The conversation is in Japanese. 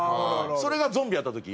それがゾンビやった時。